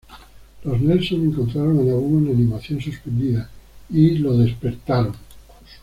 Los Nelson encontraron a Nabu en animación suspendida y lo despertaron.